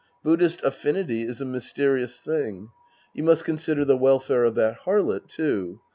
Buddhist affinity is a mysterious thing. You must consider the welfare of that harlot, too.